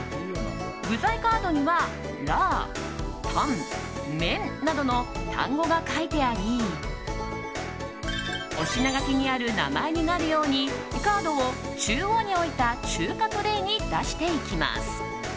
具材カードには「ラー」「タン」「メン」などの単語が書いてありお品書きにある名前になるようにカードを中央に置いた中華トレーに出していきます。